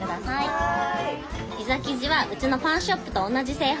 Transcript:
はい。